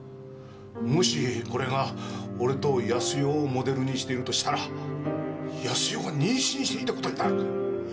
もしこれが俺と康代をモデルにしているとしたら康代が妊娠していたことになるんだ！